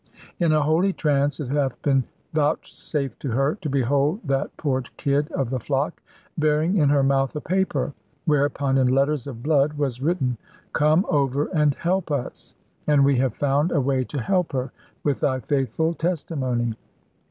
In a holy trance it hath been vouchsafed her to behold that poor kid of the flock bearing in her mouth a paper, whereupon in letters of blood was written, 'Come over, and help us.' And we have found a way to help her, with thy faithful testimony."